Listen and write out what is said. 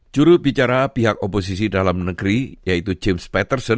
jurubicara pihak oposisi dalam negeri yaitu james patterson